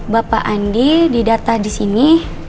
bapak andi didata di sini